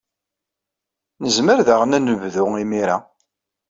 Nezmer daɣen ad nebdu imir-a.